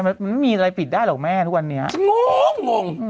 มันไม่มีอะไรปิดได้หรอกแม่ทุกวันนี้งงง